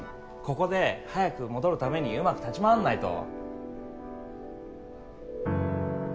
ここで早く戻るためにうまく立ち回んないと。